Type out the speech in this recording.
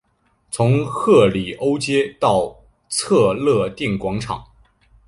从赫里欧街到策肋定广场。